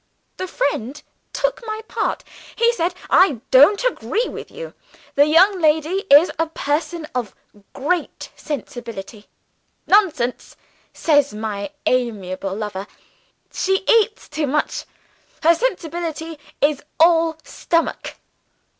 The friend took my part; he said, 'I don't agree with you; the young lady is a person of great sensibility.' 'Nonsense!' says my amiable lover; 'she eats too much her sensibility is all stomach.